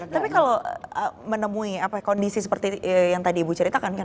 tapi kalau menemui kondisi seperti yang tadi ibu ceritakan